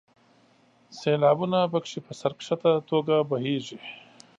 سیلابونه په کې په سر ښکته توګه بهیږي.